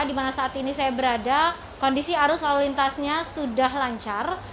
di mana saat ini saya berada kondisi arus lalu lintasnya sudah lancar